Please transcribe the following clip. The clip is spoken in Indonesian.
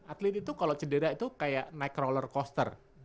atlet itu kalau cedera itu kayak naik roller coaster